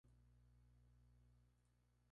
usted no comía